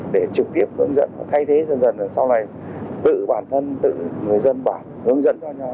để trực tiếp hướng dẫn thay thế dần dần sau này tự bản thân tự người dân bản hướng dẫn cho nhau